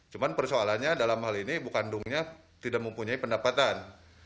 cuma persoalannya dalam hal ini ibu kandungnya tidak mempunyai pendapatan